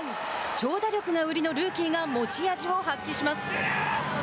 長打力が売りのルーキーが持ち味を発揮します。